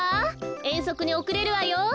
えんそくにおくれるわよ。